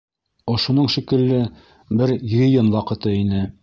Ошоноң шикелле бер йыйын ваҡыты ине.